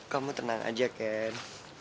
kamu tenang aja ken